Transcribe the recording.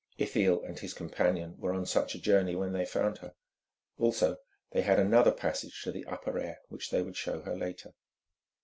Ithiel and his companion were on such a journey when they found her. Also they had another passage to the upper air which they would show her later.